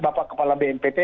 bapak kepala bmpt